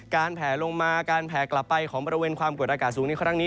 แผลลงมาการแผ่กลับไปของบริเวณความกดอากาศสูงในครั้งนี้